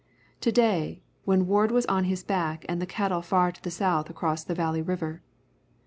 To day, when Ward was on his back and the cattle far to the south across the Valley River.